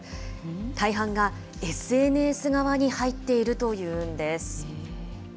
大半がＳＮＳ側に入っているというんです。